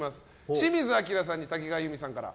清水アキラさんに多岐川裕美さんから。